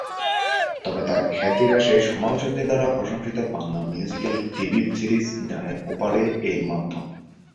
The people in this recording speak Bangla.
তবে তাঁর খ্যাতির আসে সমালোচকদের দ্বারা প্রশংসিত বাংলা মিউজিকাল টিভি সিরিজ গানের ওপারে-এর মাধ্যমে।